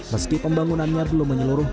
meski pembangunannya belum menyeluruh